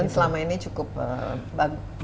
dan selama ini cukup bagus